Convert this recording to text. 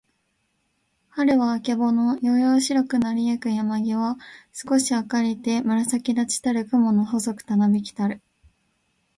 春はるは、あけぼの。やうやうしろくなりゆく山やまぎは、すこし明あかりて、紫むらさきだちたる雲くもの、細ほそくたなびきたる。